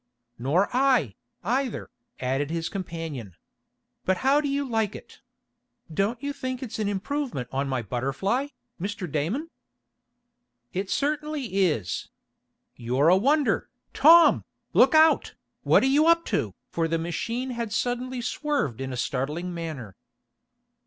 "Nor I, either," added his companion. "But how do you like it? Don't you think it's an improvement on my Butterfly, Mr. Damon?" "It certainly is. You're a wonder, Tom! Look out! What are you up to?" for the machine had suddenly swerved in a startling manner.